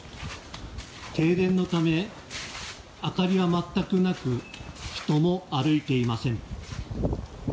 停電のため、明かりは全くなく人も歩いていません。